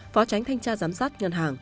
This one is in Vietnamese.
phó tránh thanh tra giám sát ngân hàng